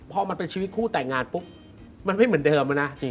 พอมันเป็นชีวิตคู่แต่งงานปุ๊บมันไม่เหมือนเดิมนะ